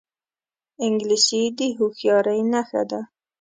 انګلیسي د هوښیارۍ نښه ده